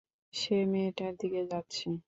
সে মেয়েটার দিকে যাচ্ছে।